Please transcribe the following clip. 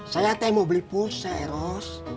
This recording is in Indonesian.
saya teh mau beli pulsa eros